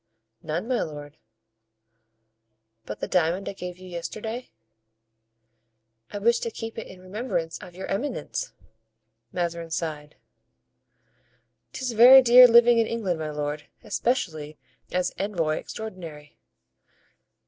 "None, my lord." "But the diamond I gave you yesterday?" "I wish to keep it in remembrance of your eminence." Mazarin sighed. "'Tis very dear living in England, my lord, especially as envoy extraordinary."